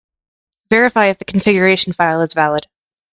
Verify if the configuration file is valid.